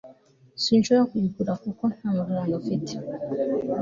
sinshobora kuyigura kuko ntamafaranga mfite